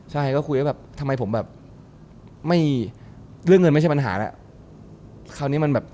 ใช่คุยว่าทำไมผมเลือกเงินไม่ใช่แมนหาอันนี้ทำไมเป็นอะไรคือใช้เวลาแบบหมอเลย